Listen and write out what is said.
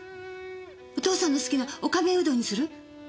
お父さんの好きなおかめうどんにする？